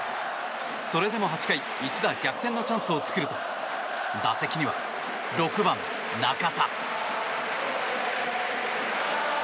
それでも８回一打逆転のチャンスを作ると打席には６番、中田。